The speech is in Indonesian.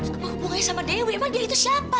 kamu hubungannya sama dewi emang dia itu siapa